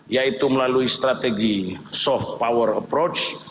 yaitu melalui strategi soft power approach